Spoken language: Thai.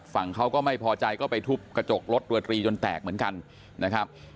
ฝั่งเขาก็ไม่พอใจก็ไปทุบกระจกรถเรือตรีจนแตกเหมือนกันนะครับ